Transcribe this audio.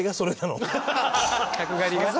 角刈りが？